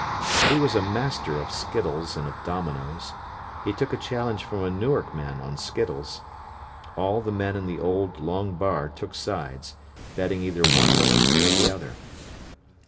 But he was a master of skittles and of dominoes. He took a challenge from a Newark man, on skittles. All the men in the old, long bar took sides, betting either one way or the other.